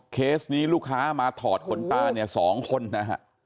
เคสนี้ลูกค้ามาถอดขนตาเนี่ย๒คนนะฮะ